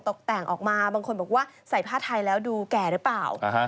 ตกแต่งออกมาบางคนบอกว่าใส่ผ้าไทยแล้วดูแก่หรือเปล่า